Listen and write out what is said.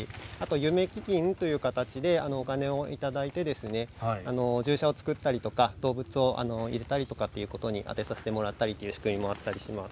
ゆめ基金という形でお金をいただいて獣舎を造ったり動物を入れたりということに充てさせていただいてるという仕組みもあります。